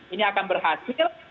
ini akan berhasil